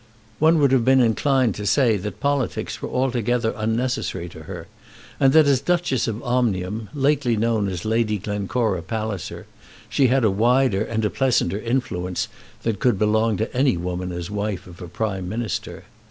One would have been inclined to say that politics were altogether unnecessary to her, and that as Duchess of Omnium, lately known as Lady Glencora Palliser, she had a wider and a pleasanter influence than could belong to any woman as wife of a Prime Minister.